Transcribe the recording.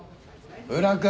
宇良君。